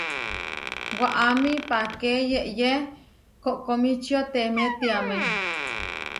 Waʼámi páke yeʼyé koʼkomičio teemé tiamé.